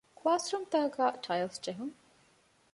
ކުލާސްރޫމްތަކުގައި ޓައިލްސް ޖެހުން